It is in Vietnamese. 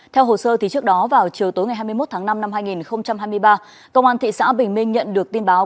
theo hồ sơ trước đó vào chiều tối ngày hai mươi một tháng năm năm hai nghìn hai mươi ba công an thị xã bình minh nhận được tin báo